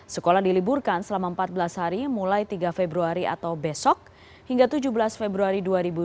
sekolah diliburkan selama empat belas hari mulai tiga februari atau besok hingga tujuh belas februari dua ribu dua puluh